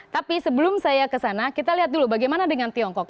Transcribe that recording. tapi sebelum saya kesana kita lihat dulu bagaimana dengan tiongkok